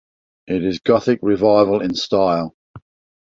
It is Gothic Revival in style.